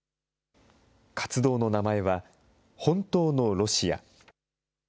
活動の名前は、本当のロシア。